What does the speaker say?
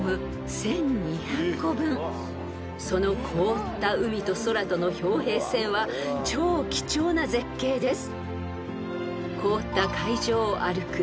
［その凍った海と空との氷平線は超貴重な絶景です］